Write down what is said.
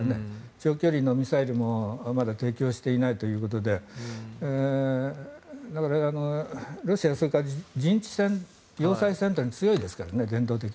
長距離のミサイルもまだ提供していないということでロシアは、それから陣地戦、要塞戦というのに強いですからね。